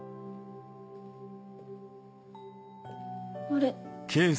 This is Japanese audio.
あれ？